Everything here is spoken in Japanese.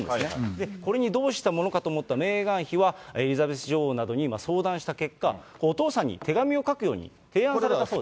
で、これにどうしたものかと思ったメーガン妃はエリザベス女王などに相談した結果、お父さんに手紙を書くように提案されたそうです。